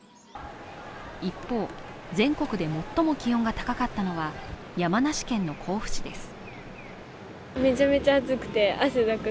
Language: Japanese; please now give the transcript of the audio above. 一方、全国で最も気温が高かったのは山梨県の甲府市です。